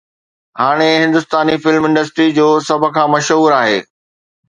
هاڻي هندستاني film industry جو سڀ کان مشهور آهي